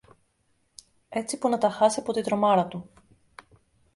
έτσι που να τα χάσει από την τρομάρα του.